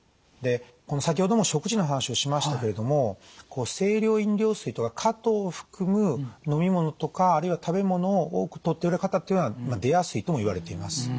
で先ほども食事の話をしましたけれども清涼飲料水とか果糖を含む飲み物とかあるいは食べ物を多くとっておられる方っていうのは出やすいともいわれています。